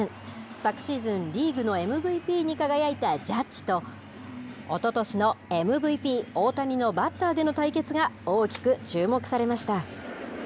昨シーズン、リーグのＭＶＰに輝いたジャッジと、おととしのＭＶＰ、大谷のバッターでの対決が大きく注目されました。